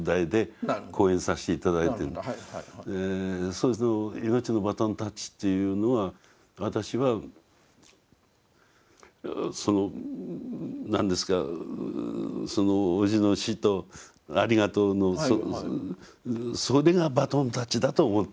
その「命のバトンタッチ」っていうのは私はその何ですかそのおじの死とありがとうのそれがバトンタッチだと思ってるわけ。